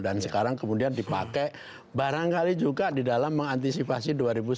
dan sekarang kemudian dipakai barangkali juga di dalam mengantisipasi dua ribu sembilan belas